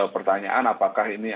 pertanyaan apakah ini